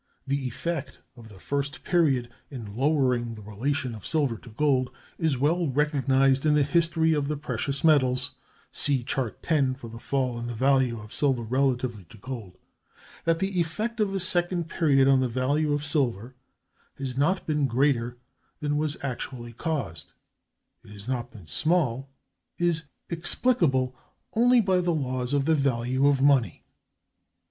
The effect of the first period in lowering the relation of silver to gold is well recognized in the history of the precious metals (see Chart X for the fall in the value of silver relatively to gold); that the effect of the second period on the value of silver has not been greater than was actually caused—it has not been small—is explicable only by the laws of the value of money.